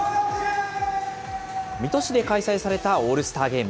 水戸市で開催されたオールスターゲーム。